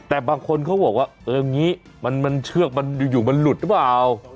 แต่บางคนเขาบอกว่ามันเชือกอยู่อยู่มันหลุดหรือเปล่า